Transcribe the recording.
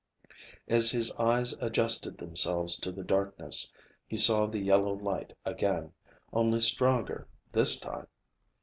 As his eyes adjusted themselves to the darkness, he saw the yellow light again, only stronger this time!